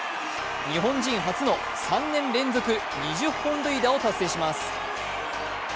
日本人初の３年連続２０本塁打を達成します。